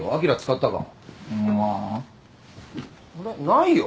ないよ。